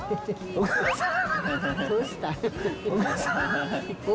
お母さん。